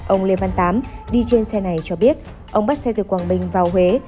ông lê văn tám đi trên xe này cho biết ông bắt xe từ quảng bình vào huế